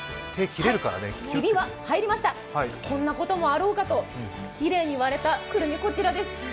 こんなこともあろうかとこんなこともあろうかと、きれいに割れたくるみ、こちらです。